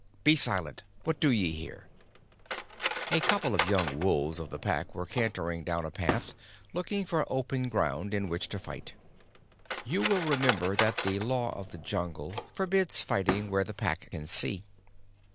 Be silent! What do ye here?" A couple of young wolves of the Pack were cantering down a path, looking for open ground in which to fight. (You will remember that the Law of the Jungle forbids fighting where the Pack can see.)